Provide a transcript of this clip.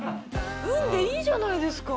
「うん」でいいじゃないですか。